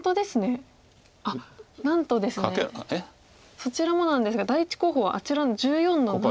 そちらもなんですが第１候補はあちらの１４の七。